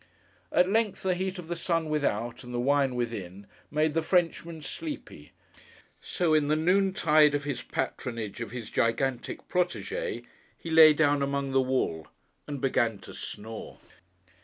At length the heat of the sun without, and the wine within, made the Frenchman sleepy. So, in the noontide of his patronage of his gigantic protégé, he lay down among the wool, and began to snore.